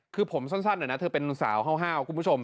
คือผมซ่อนเดี๋ยวนะเธอเป็นสาวเห่าคุณผู้ชม